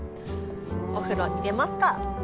お風呂入れますか！